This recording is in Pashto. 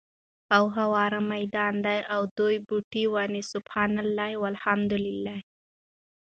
او هوار ميدان دی، او ددي بوټي وني سُبْحَانَ اللهِ، وَالْحَمْدُ للهِ